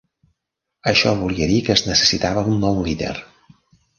Això volia dir que es necessitava un nou líder.